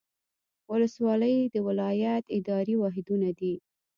ولسوالۍ د ولایت اداري واحدونه دي